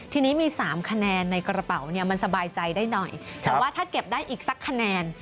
ทีนี้มี๓คะแนนในกระเป๋าเนี่ยมันสบายใจได้หน่อยแต่ว่าถ้าเก็บได้อีกสักคะแนน